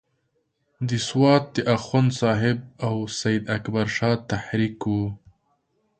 د سوات د اخوند صاحب او سید اکبر شاه تحریک وو.